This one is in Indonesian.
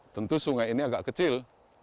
tentu sungai ini agak kecil